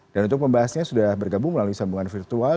dan untuk pembahasannya sudah bergabung melalui sambungan virtual